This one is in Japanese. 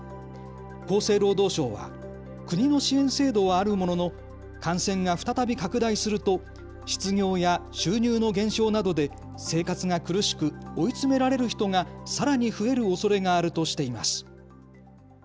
厚生労働省は国の支援制度はあるものの感染が再び拡大すると失業や収入の減少などで生活が苦しく追い詰められる人がさらに増えるおそれがあるとしています。